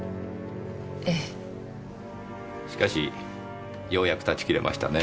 ええ。しかしようやく断ち切れましたね。